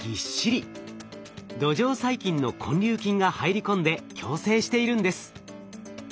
土壌細菌の根粒菌が入り込んで共生しているんです。